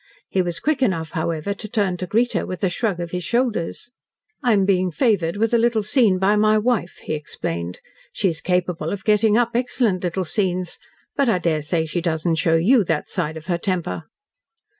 He was quick enough, however, to turn to greet her with a shrug of his shoulders. "I am being favoured with a little scene by my wife," he explained. "She is capable of getting up excellent little scenes, but I daresay she does not show you that side of her temper."